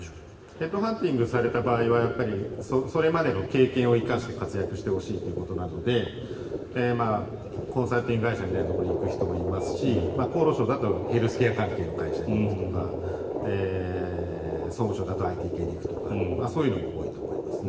ヘッドハンティングされた場合はそれまでの経験を生かして活躍してほしいということなのでコンサルティング会社みたいなところに行く人もいますし厚労省だとヘルスケア関係の会社に行くとか総務省だとＩＴ系に行くとかそういうのも多いと思いますね。